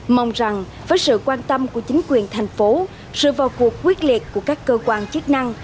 mong rằng với sự quan tâm của chính quyền thành phố sự vào cuộc quyết liệt của các cơ quan chức năng